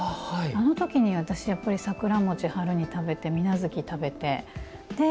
あの時に私やっぱり桜餅を春に食べて水無月を食べて。